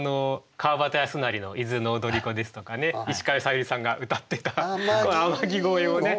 川端康成の「伊豆の踊子」ですとか石川さゆりさんが歌ってた「天城越え」をね。